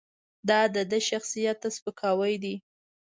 دا د ده شخصیت ته سپکاوی دی.